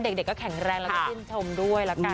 เด็กก็แข็งแรงแล้วก็กินทอมด้วย